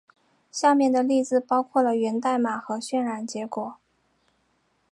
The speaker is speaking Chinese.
下面的例子包括了源代码和渲染结果。